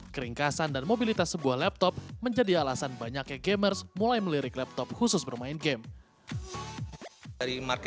keringkasan dan mobilitas sebuah laptop menjadi alasan banyaknya gamers mulai melirik laptop khusus bermain game